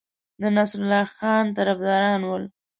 د نصرالله خان طرفداران ول.